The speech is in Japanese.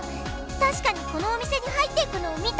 たしかにこのお店に入っていったのを見た！